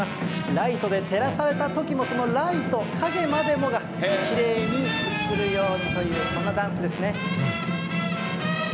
ライトで照らされたときも、そのライト、影までもが、きれいに映るようにという、そんなダンスですね。